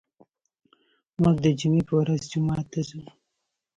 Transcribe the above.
موږ د جمعې په ورځ جومات ته ځو.